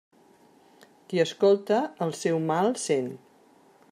Qui escolta el seu mal sent.